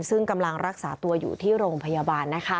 ซึ่งกำลังรักษาตัวอยู่ที่โรงพยาบาล